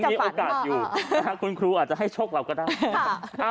มีโอกาสอยู่คุณครูอาจจะให้โชคเราก็ได้